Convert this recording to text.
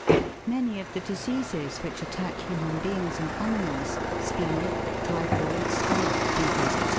Many of the diseases which attack human beings and animals splenic, typhoid, scarlet fevers, &c.